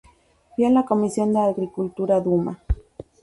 Fui a la comisión de Agricultura Duma.